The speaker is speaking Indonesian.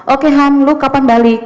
oke han lo kapan balik